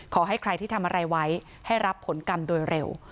ขอให้ใครที่ทำอะไรไว้ให้รับผลกรรมโดยเร็ว